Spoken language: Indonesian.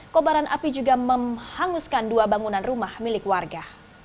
kobaran api juga menghanguskan dua bangunan rumah milik warga